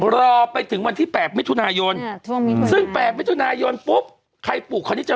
รอไปถึงวันที่๘มิถุนายน